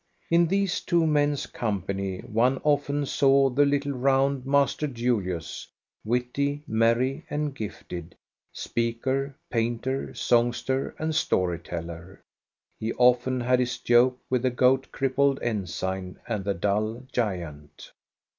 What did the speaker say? In these two men's company one often saw the little, round Master Julius, witty, merry, and gifted, speaker, painter, songster, and story teller. He often had his joke with the gout crippled ensign and the dull giant.